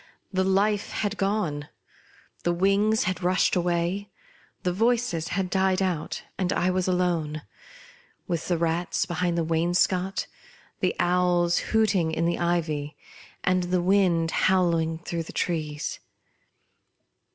The Life had gone ; the wings had rushed away ; the voices had died out, and I was alone ; with the rats behind the wainscot, the owls hooting in the ivy, and the wind howling through the trees.